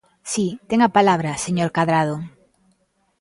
Si, ten a palabra, señor Cadrado.